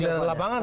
melihat di lapangan